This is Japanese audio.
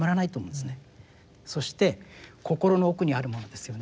そして心の奥にあるものですよね。